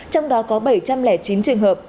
trong đó có bảy trăm linh chín trường hợp